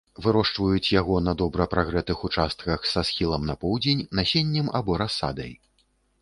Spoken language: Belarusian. Вырошчваюць яго на добра прагрэтых участках са схілам на поўдзень насеннем або расадай.